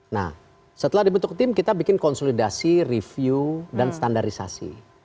nah setelah dibentuk tim kita bikin konsolidasi review dan standarisasi